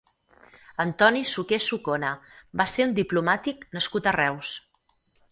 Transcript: Antoni Suqué Sucona va ser un diplomàtic nascut a Reus.